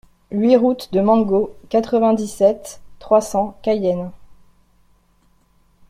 huit route de Mango, quatre-vingt-dix-sept, trois cents, Cayenne